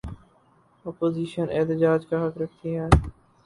Opposition احتجاج کا حق رکھتی ہے۔